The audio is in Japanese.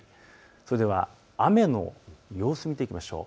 それでは雨の様子を見ていきましょう。